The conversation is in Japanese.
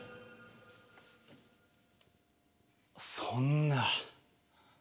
そんな。